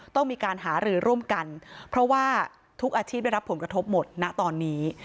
ต้องมีการหารือร่วมกันเพราะว่าทุกอาชีพได้รับผลกระทบหมดณตอนนี้